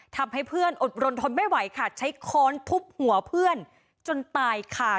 ทำให้เพื่อนอดรนทนไม่ไหวค่ะใช้ค้อนทุบหัวเพื่อนจนตายค่ะ